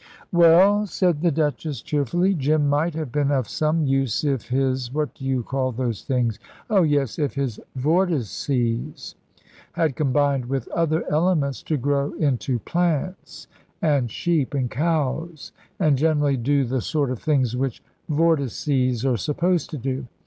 "Well," said the Duchess, cheerfully. "Jim might have been of some use if his, what do you call those things? oh, yes, if his vortices had combined with other elements to grow into plants and sheep and cows, and generally do the sort of things which vortices are supposed to do.